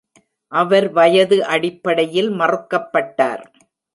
அவர் வயது அடிப்படையில் மறுக்கப்பட்டார்.